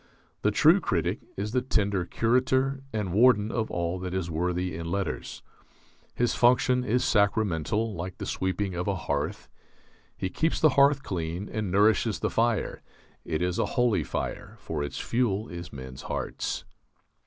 The true critic is the tender curator and warden of all that is worthy in letters. His function is sacramental, like the sweeping of a hearth. He keeps the hearth clean and nourishes the fire. It is a holy fire, for its fuel is men's hearts.